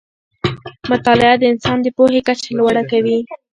مطالعه د انسان د پوهې کچه لوړه وي